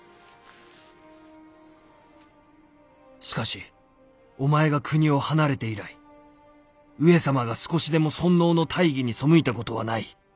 「しかしお前が国を離れて以来上様が少しでも尊王の大義に背いたことはない！